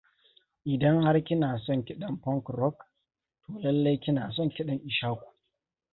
Idan har kina son kiɗan punk rock, to lallai kina son kiɗan Ishaku.